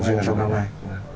riêng trong năm nay